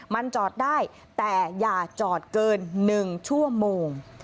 มันจอดได้แต่อย่าจอดเกิน๑ชั่วโมง